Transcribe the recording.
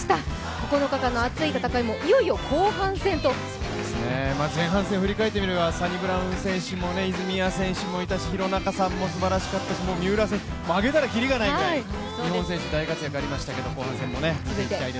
９日間の熱い戦いも前半戦を振り返ってみれば、サニブラウン選手も、泉谷選手もいたし、廣中さんもすばらしかったし、三浦さん、挙げたらきりがないので、日本選手大活躍ありましたけど後半戦もね。